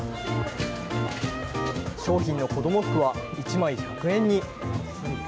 商品の子ども服は１枚１００円に。